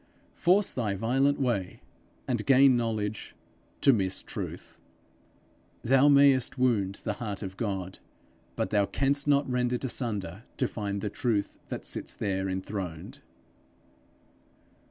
Force thy violent way, and gain knowledge, to miss truth. Thou mayest wound the heart of God, but thou canst not rend it asunder to find the Truth that sits there enthroned.